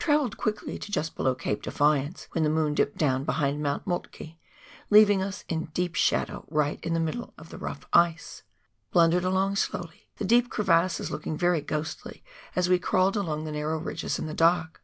Travelled quickly to just below Cape Defiance, when the moon dipped down behind Mount Moltke, leaving us in deep shadow right in the middle of the rough ice. Blundered along slowly, the deep crevasses looking very ghostly as we crawled along the narrow ridges in the dark.